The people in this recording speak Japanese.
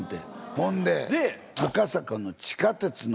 ほんで。